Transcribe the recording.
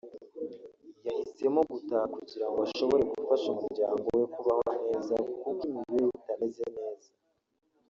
yahisemo gutaha kugira ngo ashobore gufasha umuryango we kubaho neza kuko imibereho itameze neza